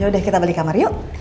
ya udah kita balik kamar yuk